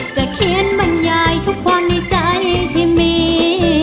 เขียนบรรยายทุกคนในใจที่มี